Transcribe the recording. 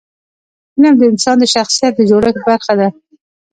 علم د انسان د شخصیت د جوړښت برخه ده.